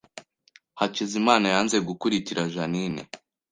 Hakizimana yanze gukurikira Jeaninne